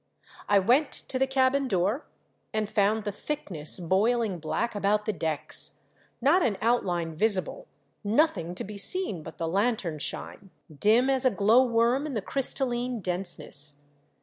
I went to the cabin door, and found the thickness boiling black about the decks, not an outline visible, nothing to be seen but the lanthorn shine, dim as a glow worm in the crystalline denseness.